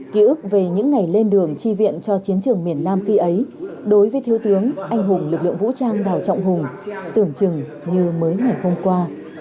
khi ấy đối với thiếu tướng anh hùng lực lượng vũ trang đào trọng hùng tưởng chừng như mới ngày hôm qua